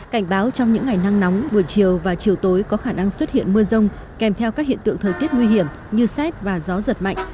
cảnh báo trong những ngày nắng nóng buổi chiều và chiều tối có khả năng xuất hiện mưa rông kèm theo các hiện tượng thời tiết nguy hiểm như xét và gió giật mạnh